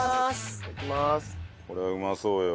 これはうまそうよ。